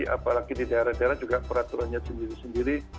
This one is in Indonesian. apalagi di daerah daerah juga peraturannya sendiri sendiri